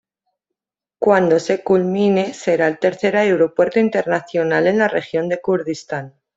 Cuando se culmine será el tercer aeropuerto internacional en la región del Kurdistán.